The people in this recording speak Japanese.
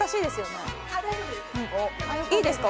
いいですか？